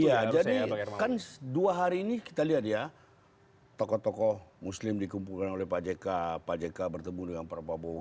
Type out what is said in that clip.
iya jadi kan dua hari ini kita lihat ya tokoh tokoh muslim dikumpulkan oleh pak jk pak jk bertemu dengan prabowo